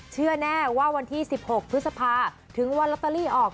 เชื่อแน่ว่าวันที่๑๖พฤษภาถึงวันลอตเตอรี่ออก